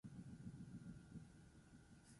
Beraz, nekez jakingo zuen Sabinek horren berri.